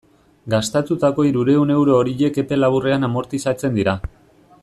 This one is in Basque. Gastatutako hirurehun euro horiek epe laburrean amortizatzen dira.